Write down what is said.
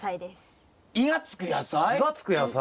「イ」がつく野菜？